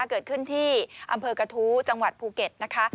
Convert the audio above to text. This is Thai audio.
เกิดขึ้นที่อำเภอกระทู้จังหวัดภูเก็ตนะคะ